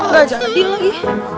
gajah tadi lagi